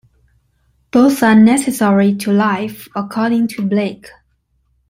Both are necessary to life according to Blake.